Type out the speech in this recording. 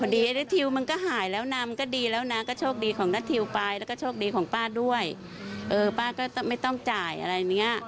โดยไม่ต้องการจ่าย